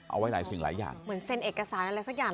เอาไว้หลายสิ่งหลายอย่างเหมือนเซ็นเอกสารอะไรสักอย่าง